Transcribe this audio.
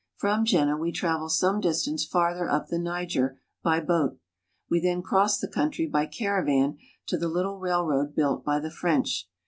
From Jenne we travel some distance farther up the Niger by boat. We then cross the country by caravan to the little railroad built by the French.